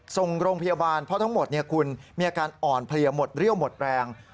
ส่งโรงพยาบาลเพราะทั้งหมดคุณมีอาการอ่อนเพลียหมดเรี่ยวหมดแรง